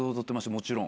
もちろん。